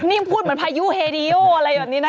นี่พูดเหมือนพายุเฮดีโออะไรแบบนี้นะ